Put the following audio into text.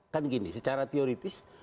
kan gini secara teoritis